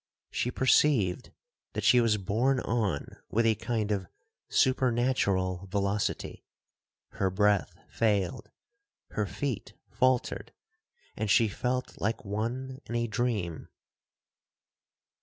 She perceived that she was borne on with a kind of supernatural velocity,—her breath failed,—her feet faultered,—and she felt like one in a dream.